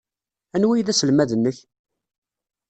Anwa ay d aselmad-nnek?